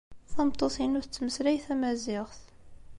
Tameṭṭut-inu tettmeslay tamaziɣt.